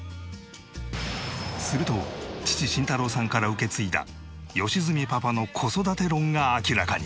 すると父慎太郎さんから受け継いだ良純パパの子育て論が明らかに！